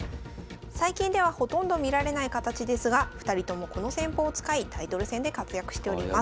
最近ではほとんど見られない形ですが２人ともこの戦法を使いタイトル戦で活躍しております。